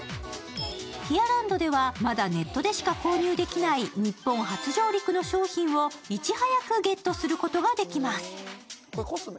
Ｔｉｅｒｌａｎｄではまだネットでしか購入できない日本初上陸の商品をいち早くゲットすることができます。